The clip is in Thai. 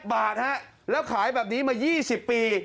บาทฮะแล้วขายแบบนี้มา๒๐ปี